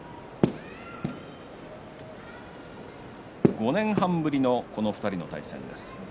５年半ぶりのこの２人の対戦です。